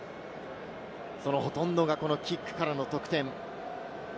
そのほとんどがそのキックからの得点。